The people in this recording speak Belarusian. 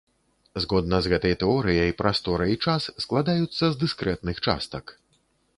Згодна з гэтай тэорыяй, прастора і час складаюцца з дыскрэтных частак.